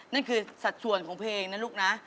นั่นคือสัดส่วนของเพลงนะลูกนะ